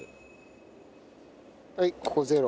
はいここゼロ。